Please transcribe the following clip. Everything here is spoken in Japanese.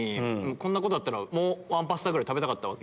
こんなことだったらもうワンパスタ食べたかった。